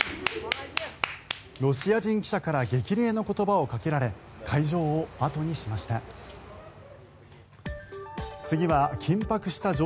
ロシア人記者から激励の言葉をかけられ会場を後にしました。